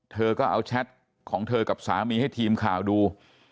เธอก็เอาแชทของเธอกับสามีให้ทีมข่าวดู